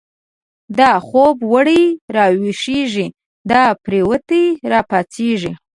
دا خوب وړی راويښږی، دا پريوتی را پا څيږی